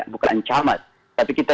bukan camat tapi kita